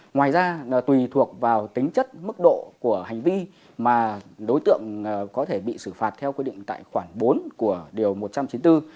ngoài ra tùy thuộc vào tính chất mức độ của hành vi mà đối tượng có thể bị xử phạt theo quy định tại khoản bốn của điều một trăm chín mươi bốn